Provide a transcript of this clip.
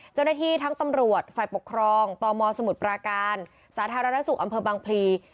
เจ้าหน้าที่ทั้งตำรวจฝ่ายปกครองตมสมุทรปราการสาธารณสุขอำเภอบางพลี